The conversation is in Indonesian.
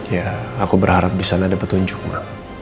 ya aku berharap di sana ada petunjuk mbak